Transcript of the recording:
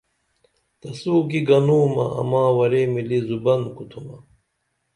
تسُو کی گنُومہ اماں ورے ملی زُبن کُوتُھمہ